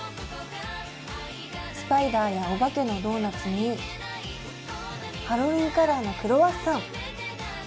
スパイダーやお化けのドーナツにハロウィーンカラーのクロワッサン。